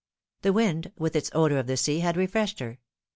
The wind, with its odour of the sea, had refreshed her.